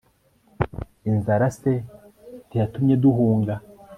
inzara se ntiyatumye duhunga